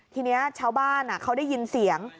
ทีนี้ชาวบ้านเขาได้ยินเสียง